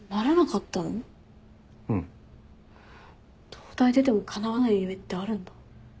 東大出てもかなわない夢ってあるんだ。